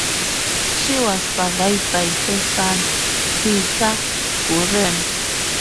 She was survived by her son, Peter Gurian.